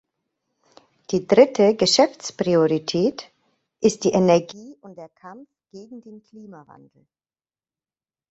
Die dritte Geschäftspriorität ist die Energie und der Kampf gegen den Klimawandel.